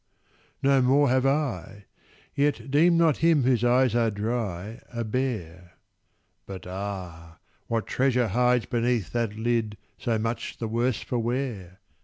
No more have I. Yet deem not him whose eyes are dry A bear. But ah! what treasure hides beneath That lid so much the worse for wear?